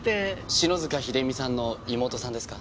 篠塚秀実さんの妹さんですか？